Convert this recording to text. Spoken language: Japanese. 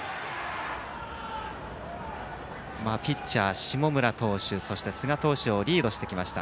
ピッチャー、下村投手そして寿賀投手をリードしてきました。